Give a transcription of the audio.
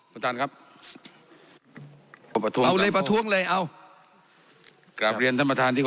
ประตานครับเอาเลยประท้วงเลยเอากราบเรียนท่านประทานที่